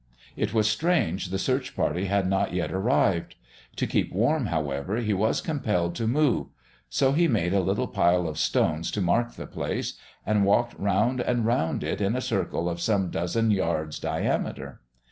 It was strange the search party had not yet arrived. To keep warm, however, he was compelled to move, so he made a little pile of stones to mark the place, and walked round and round it in a circle of some dozen yards' diameter.